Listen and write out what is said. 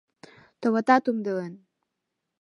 Товатат, умдылен!